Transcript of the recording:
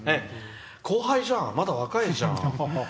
後輩だね、まだ若いじゃん。